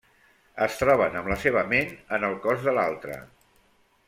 Es troben amb la seva ment en el cos de l'altre.